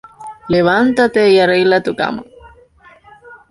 Levántate y arregla tu cama.